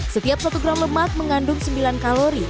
setiap satu gram lemak mengandung sembilan kalori